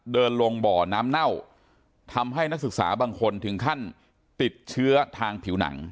เดินลงบ่อน้ำเน่าทำให้นักศึกษาบางคนถึงขั้นติดเชื้อทางผิวหนัง